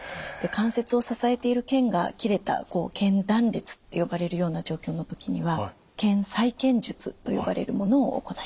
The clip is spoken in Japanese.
関節を支えている腱が切れた腱断裂って呼ばれるような状況の時には腱再建術と呼ばれるものを行います。